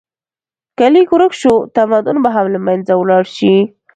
که لیک ورک شو، تمدن به هم له منځه لاړ شي.